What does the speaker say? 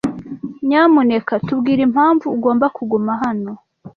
Nyamuneka tubwire impamvu ugomba kuguma hano.